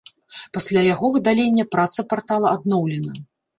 Пасля яго выдалення праца партала адноўлена.